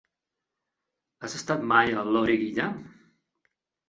Has estat mai a Loriguilla?